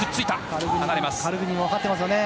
カルグニン分かってますよね。